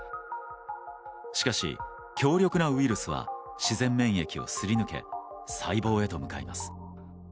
しかし、強力なウイルスは自然免疫をすり抜け細胞へと向かいます。